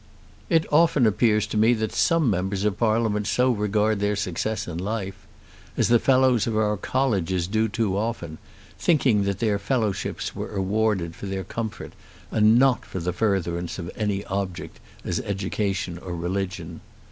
It often appears to me that some members of Parliament so regard their success in life, as the fellows of our colleges do too often, thinking that their fellowships were awarded for their comfort and not for the furtherance of any object as education or religion.